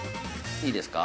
いいですか？